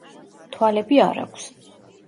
თვალები არ აქვს.